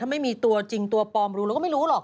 ถ้าไม่มีตัวจริงตัวปลอมรู้เราก็ไม่รู้หรอก